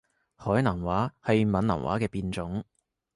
海南話係閩南話嘅變種